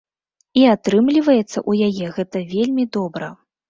І атрымліваецца ў яе гэта вельмі добра.